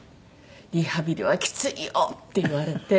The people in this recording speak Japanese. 「リハビリはきついよ！」って言われて。